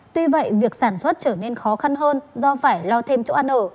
tuy vậy việc sản xuất trở nên khó khăn hơn do phải lo thêm chỗ ăn ở